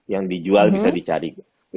yang dijual bisa dicari